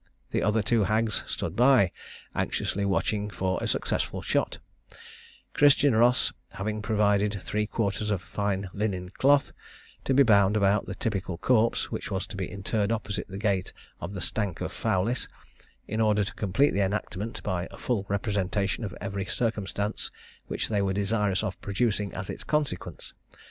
The other two hags stood by, anxiously watching for a successful shot, Christian Ross having provided three quarters of fine linen cloth, to be bound about the typical corpse, which was to be interred opposite the gate of the Stank of Fowlis, in order to complete the enactment by a full representation of every circumstance which they were desirous of producing as its consequence.